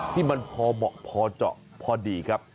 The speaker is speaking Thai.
ที่มันพอเหมาะพอเจาะพอดีครับ